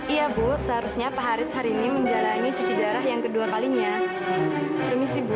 iya bu seharusnya pak haris hari ini menjalani cuci darah yang kedua kalinya